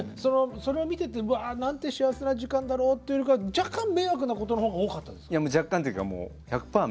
それを見ていて「うわなんて幸せな時間だろう」というよりかは若干迷惑なことの方が多かったですか？